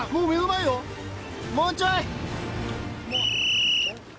もうちょい！